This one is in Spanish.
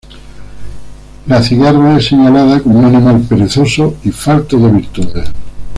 La cigarra es señalada como un animal perezoso y falto de virtudes.